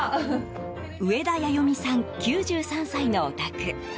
上田八代美さん、９３歳のお宅。